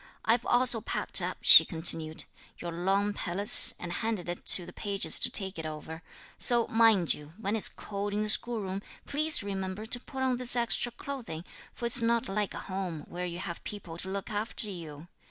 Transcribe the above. "I've also packed up," she continued, "your long pelisse, and handed it to the pages to take it over; so mind, when it's cold in the school room, please remember to put on this extra clothing, for it's not like home, where you have people to look after you.